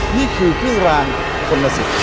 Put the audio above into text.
นี่คือขึ้นร้านคนละสุด